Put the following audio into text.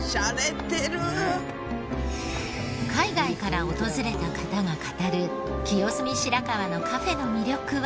海外から訪れた方が語る清澄白河のカフェの魅力は。